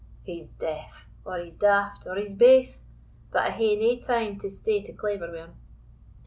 "He's deaf, or he's daft, or he's baith; but I hae nae time to stay to claver wi' him."